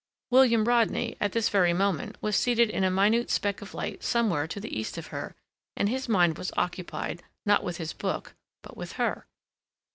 William Rodney, at this very moment, was seated in a minute speck of light somewhere to the east of her, and his mind was occupied, not with his book, but with her.